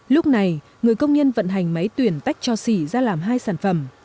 lúc này người công nhân vận hành máy tuyển tách cho xỉ ra làm hai sản phẩm